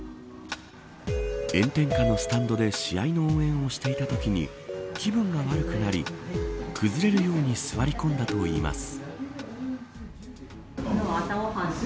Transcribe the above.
炎天下のスタンドで試合の応援をしていたときに気分が悪くなり崩れるように座り込んだといいます。